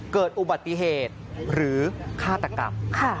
เกิดอุบัติเหตุหรือฆาตกรรม